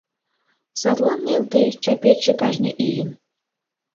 Садлан нӧлтеш чапетше кажне ийын.